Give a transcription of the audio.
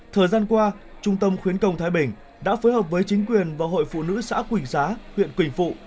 thời gian qua trung tâm khuyến công thái bình đã phối hợp với chính quyền và hội phụ nữ xã quỳnh xá huyện quỳnh phụ